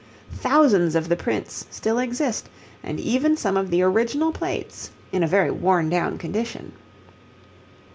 Thousands of the prints still exist, and even some of the original plates in a very worn down condition.